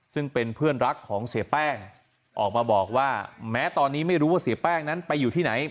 ซึ่งเป็นเพื่อนรักของเสียแป้งออกมาบอกว่าแม้ตอนนี้ไม่รู้ว่าเสียแป้งนั้นไปอยู่ที่ไหน